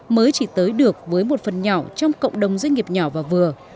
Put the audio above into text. mới chỉ tới được với một phần nhỏ trong cộng đồng doanh nghiệp nhỏ và vừa